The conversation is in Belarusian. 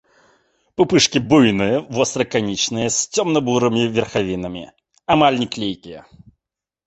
Пупышкі буйныя, востра-канічныя, з цёмна-бурымі верхавінамі, амаль не клейкія.